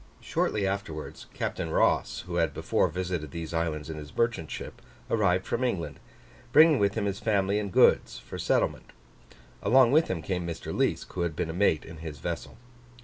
Shortly afterwards, Captain Ross, who had before visited these islands in his merchant ship, arrived from England, bringing with him his family and goods for settlement: along with him came Mr. Liesk, who had been a mate in his vessel.